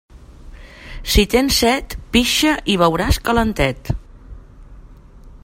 Si tens set, pixa i beuràs calentet.